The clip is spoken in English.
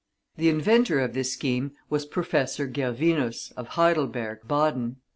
The inventor of this scheme was Professor Gervinus, of Heidelberg (Baden).